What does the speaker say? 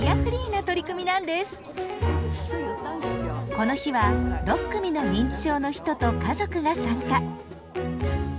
この日は６組の認知症の人と家族が参加。